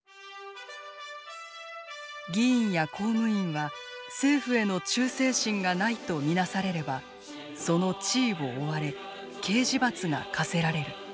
議員や公務員は政府への忠誠心がないと見なされればその地位を追われ刑事罰が科せられる。